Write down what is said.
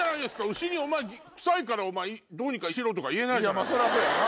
牛に臭いからどうにかしろとか言えないじゃない。